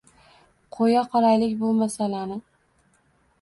Qo‘ya qolaylik bu masalani.